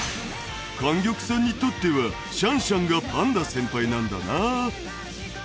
莟玉さんにとってはシャンシャンがパンダ先輩なんだな